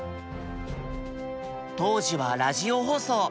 当時はラジオ放送。